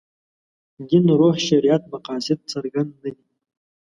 دین روح شریعت مقاصد څرګند نه دي.